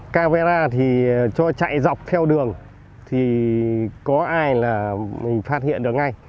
camera thì cho chạy dọc theo đường thì có ai là mình phát hiện được ngay